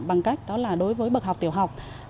bằng cách đối với bậc học tiểu học